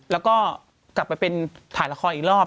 แล้วก็กลับไปเป็นถ่ายละครอีกรอบ